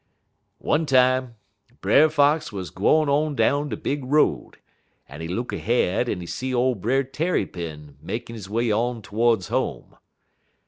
"One time Brer Fox wuz gwine on down de big road, en he look ahead en he see ole Brer Tarrypin makin' he way on todes home.